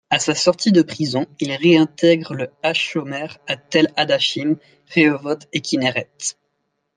À sa sortie de prison, il réintègre le Hashomer à Tel-Adashim, Rehovot et Kinéret.